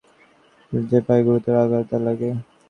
ক্রিকেটের গোলা লাগিয়া একটি ছেলের পায়ে গুরুতর আঘাত লাগে।